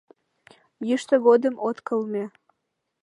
Йӱштӧ годым от кылме